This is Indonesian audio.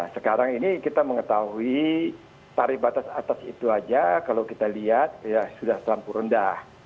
sekarang ini kita mengetahui tarif batas atas itu aja kalau kita lihat ya sudah terlampau rendah